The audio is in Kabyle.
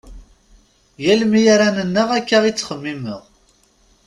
Yal mi ara nennaɣ akka i ttximimeɣ.